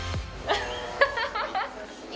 ハハハハ！